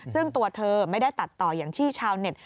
ซึ่งตัวเธอไม่ได้ตัดต่ออย่างที่ชาวเน็ต